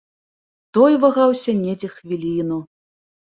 Той вагаўся недзе хвіліну.